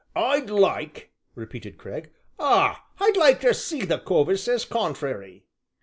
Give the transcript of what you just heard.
"I'd like," repeated Cragg, "ah! I'd like to see the cove as says contrairy."